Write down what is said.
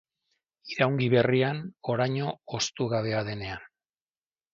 Iraungi berrian, oraino hoztu gabea denean.